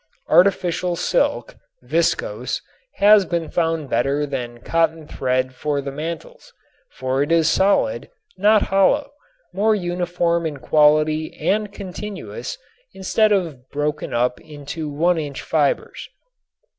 Artificial silk (viscose) has been found better than cotton thread for the mantles, for it is solid, not hollow, more uniform in quality and continuous instead of being broken up into one inch fibers.